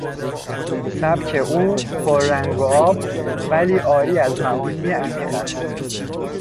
سبک او پر رنگ و آب ولی عاری از معانی عمیق است.